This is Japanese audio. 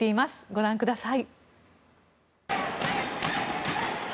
ご覧ください。